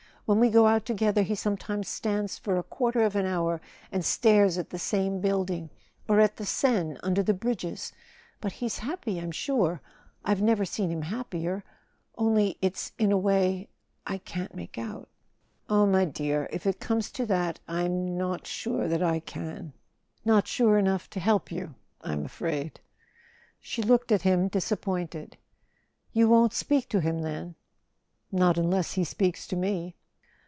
When we go out together he some¬ times stands for a quarter of an hour and stares at the same building, or at the Seine under the bridges. But he's happy, I'm sure. .. I've never seen him happier ... only it's in a way I can't make out. .." "Ah, my dear, if it comes to that—I'm not sure that I can. Not sure enough to help you, I'm afraid." She looked at him, disappointed. "You won't speak to him then ?" "Not unless he speaks to me."